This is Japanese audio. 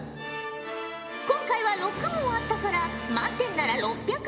今回は６問あったから満点なら６００